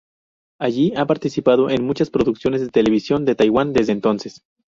Allí ha participado en muchas producciones de televisión de Taiwán desde entonces.